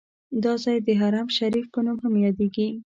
دا ځای د حرم شریف په نوم هم یادیږي.